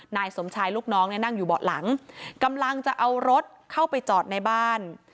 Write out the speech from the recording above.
นายสมชายลูกน้องเนี่ยนั่งอยู่เบาะหลังกำลังจะเอารถเข้าไปจอดในบ้าน